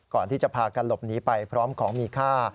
ก่อนที่จะพากันหลบหนีไปพร้อมของมีค่า